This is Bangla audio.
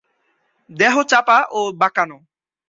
দেহ চাপা ও বাঁকানো।